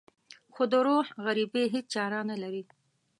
خو د روح غريبي هېڅ چاره نه لري.